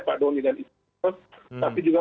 pak doni dan ibu tapi juga